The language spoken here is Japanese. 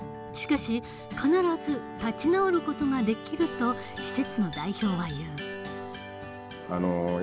しかし必ず立ち直る事ができると施設の代表は言う。